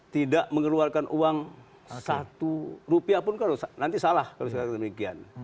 tidak mengeluarkan uang satu rupiah pun kalau nanti salah kalau saya katakan demikian